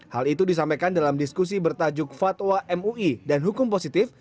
hal itu disampaikan dalam diskusi bertajuk fatwa mui dan hukum positif